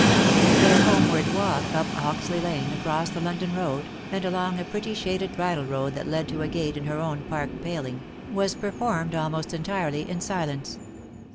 Their homeward walk, up Hoxley lane, across the London road, and along a pretty shaded bridle road that led to a gate in her own park paling, was performed almost entirely in silence.